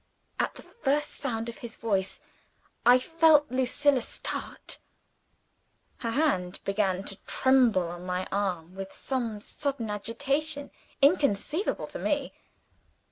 At the first sound of his voice, I felt Lucilla start. Her hand began to tremble on my arm with some sudden agitation, inconceivable to me.